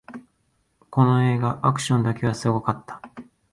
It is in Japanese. この映画、アクションだけはすごかった